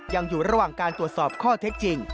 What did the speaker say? ยังอยู่ระหว่างการตรวจสอบข้อเท็จจริง